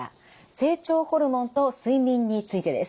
成長ホルモンと睡眠についてです。